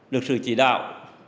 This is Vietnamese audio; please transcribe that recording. được sự chỉ đạo